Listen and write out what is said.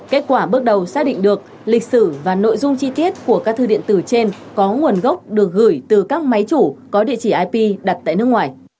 kết quả bước đầu xác định được lịch sử và nội dung chi tiết của các thư điện tử trên có nguồn gốc được gửi từ các máy chủ có địa chỉ ip đặt tại nước ngoài